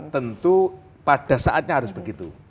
tentu pada saatnya harus begitu